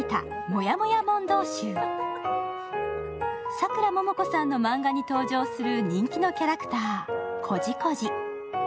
さくらももこさんの漫画に登場する人気のキャラクター、コジコジ。